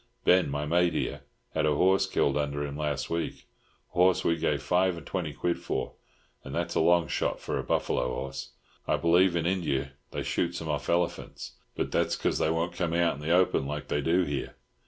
Ben, my mate here, had a horse killed under him last week—horse we gave five and twenty quid for, and that's a long shot for a buffalo horse. I believe in Injia they shoot 'em off elephants, but that's 'cause they won't come out in the open like they do here.